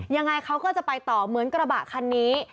ยังไงเขาก็จะไปต่อเหมือนกระบะคันนี้